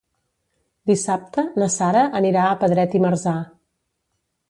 Dissabte na Sara anirà a Pedret i Marzà.